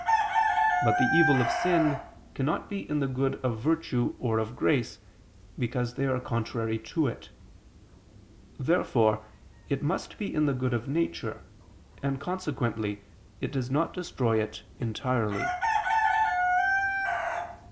But the evil of sin cannot be in the good of virtue or of grace, because they are contrary to it. Therefore it must be in the good of nature, and consequently it does not destroy it entirely.